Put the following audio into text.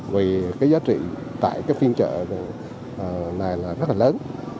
vì cái giá trị tại cái phiên chợ này là rất là lớn